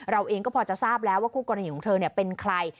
เราเองก็พอจะทราบแล้วว่าคู่กรณีของเธอเป็นใคร